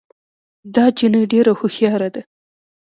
دا جینۍ ډېره هوښیاره ده